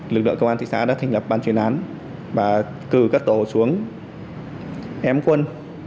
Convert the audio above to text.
lực lượng công an thị xã đã thành lập ban chuyển án và cử các tổ xuống em quân